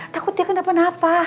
takut dia akan dapat apa